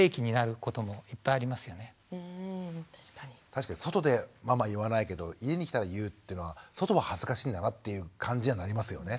確かに外でママ言わないけど家に来たら言うっていうのは外は恥ずかしいんだなっていう感じにはなりますよね。